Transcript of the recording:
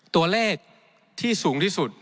ตัวเลขที่สูงที่สุด